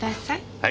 はい。